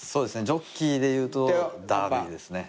ジョッキーでいうとダービーですね。